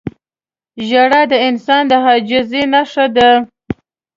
• ژړا د انسان د عاجزۍ نښه ده.